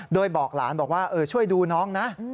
โดยบอกหลานบอกว่าช่วยดูน้องนะ